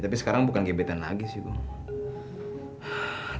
tapi sekarang bukan gebetan lagi sih